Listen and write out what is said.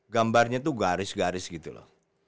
gambarnya itu garis garis gitu loh